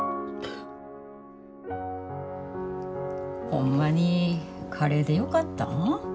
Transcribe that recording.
ホンマにカレーでよかったん？